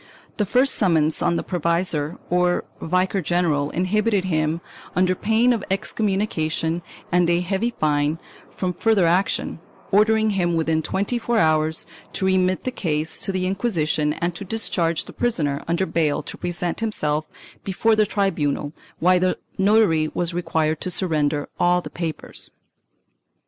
The first summons on the provisor or vicar general inhibited him, under pain of excommunication and a heavy fine, from further action, ordering him, within twenty four hours, to remit the case to the Inquisition and to discharge the prisoner under bail to present himself before the tribunal, while the notary was required to surrender all the papers.